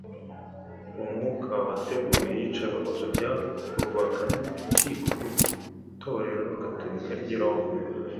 umwuka wateguye iyicarubozo ryakorwaga n’Urukiko rw’Itorero Gatorika ry’i Roma